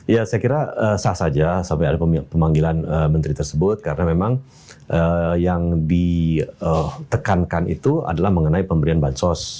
ya saya kira sah saja sampai ada pemanggilan menteri tersebut karena memang yang ditekankan itu adalah mengenai pemberian bansos